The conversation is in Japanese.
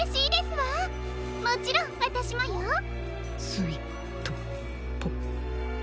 スイトポテ。